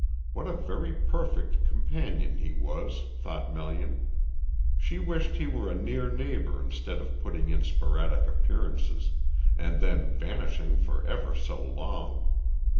What a very perfect companion he was, thought Melian. She wished he were a near neighbour instead of putting in sporadic appearances, and then vanishing for ever so long.